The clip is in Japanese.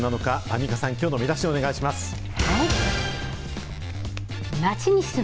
アンミカさん、きょうの見出しお願いします。